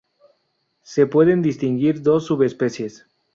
Se pueden distinguir dos subespecies.